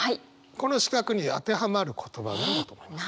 この四角に当てはまる言葉何だと思います？